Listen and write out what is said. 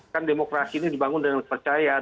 kan demokrasi ini dibangun dengan kepercayaan